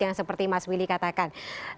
yang seperti mas willy katakan